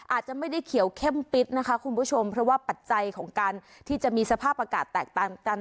อาจจะไม่ได้เขียวเข้มปิดนะคะคุณผู้ชมเพราะว่าปัจจัยของการที่จะมีสภาพอากาศแตกต่างกัน